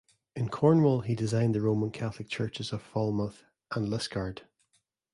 In Cornwall he designed the Roman Catholic churches of Falmouth and Liskeard.